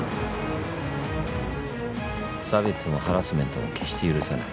差別もハラスメントも決して許さない。